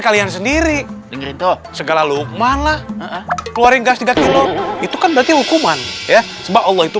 kalian sendiri segala lukman lah keluarin gas tiga kilo itu kan berarti hukuman ya sebab allah itu